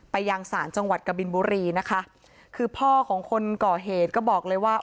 ยังศาลจังหวัดกบินบุรีนะคะคือพ่อของคนก่อเหตุก็บอกเลยว่า